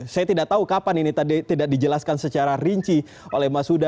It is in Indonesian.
saya tidak tahu kapan ini tadi tidak dijelaskan secara rinci oleh mas huda